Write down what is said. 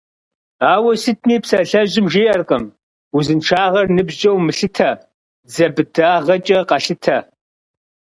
Ауэ сытми псалъэжьым жиӀэркъым: «Узыншагъэр ныбжькӀэ умылъытэ, дзэ быдагъэкӀэ къэлъытэ».